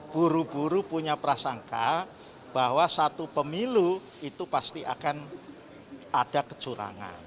buru buru punya prasangka bahwa satu pemilu itu pasti akan ada kecurangan